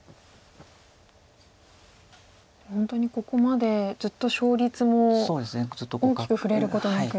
本当にここまでずっと勝率も大きく振れることなく。